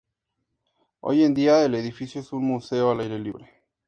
Hoy en día el edificio es un museo al aire libre.